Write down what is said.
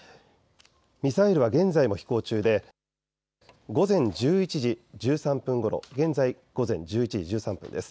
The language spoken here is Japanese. ミサイルは現在も飛行中で午前１１時１３分ごろ、現在午前１１時１３分です。